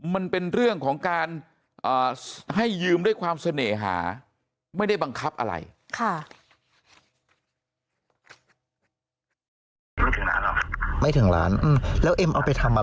มันเป็นเรื่องของการให้ยืมด้วยความเสน่หาไม่ได้บังคับอะไร